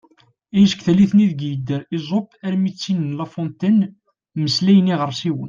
Ihi seg tallit-nni ideg yedder Esope armi d tin n La Fontaine “mmeslayen iɣersiwen”.